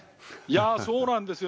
そうなんですよ。